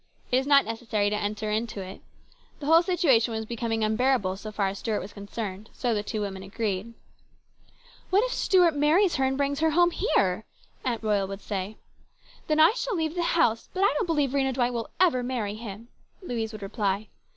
It is not necessary to enter into it. The whole situation was becoming unbearable so far as Stuart was concerned, so the two women agreed. " What if Stuart marries her, and brings her home here ?" Aunt Royal would say. " Then I shall leave the house ; but I don't believe Rhena Dwight will ever marry him," Louise would reply.